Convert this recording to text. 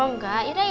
oh enggak ya udah ayo